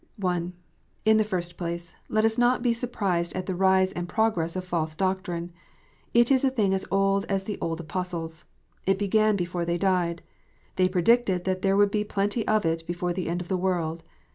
(1) In the first place, let us not be surprised at the rise and progress of false doctrine. It is a thing as old as the old Apostles. It began before they died. They predicted that there would be plenty of it before the end of the world.